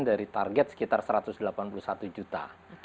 dari target sekitar satu ratus delapan puluh satu juta